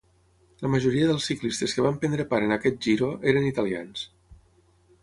La majoria dels ciclistes que van prendre part en aquest Giro eren italians.